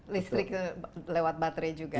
listrik lewat baterai juga